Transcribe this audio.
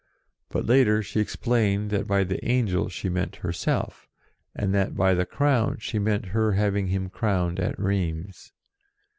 But, later, she explained that by the Angel she meant herself, and that by the Crown, she meant her having him crowned at Rheims.